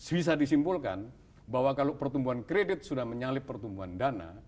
bisa disimpulkan bahwa kalau pertumbuhan kredit sudah menyalip pertumbuhan dana